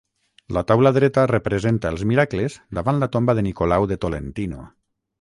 La taula dreta representa els miracles davant la tomba de Nicolau de Tolentino.